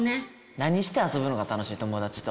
何して遊ぶのが楽しい友達と。